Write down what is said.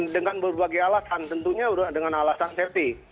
dengan berbagai alasan tentunya dengan alasan safety